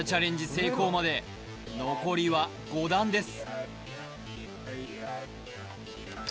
成功まで残りは５段です